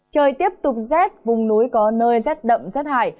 trời tiếp tục rét vùng núi có nơi rét đậm rét hại